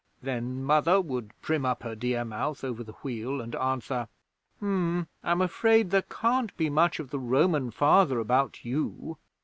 Then Mother would prim up her dear mouth over the wheel and answer: "H'm! I'm afraid there can't be much of the Roman Father about you!"